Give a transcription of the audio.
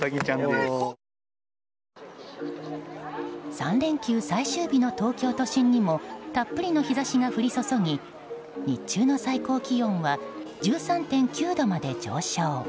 ３連休最終日の東京都心にもたっぷりの日差しが降り注ぎ日中の最高気温は１３．９度まで上昇。